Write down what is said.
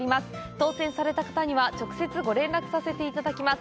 当せんされた方には直接ご連絡させていただきます。